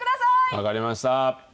分かりました。